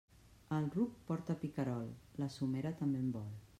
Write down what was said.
El ruc porta picarol, la somera també en vol.